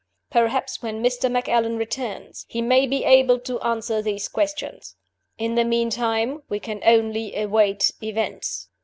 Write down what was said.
Perhaps when Mr. Macallan returns, he may be able to answer these questions. In the meantime we can only await events."